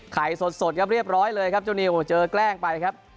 สดครับเรียบร้อยเลยครับเจ้านิวเจอแกล้งไปครับ